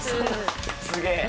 すげえ。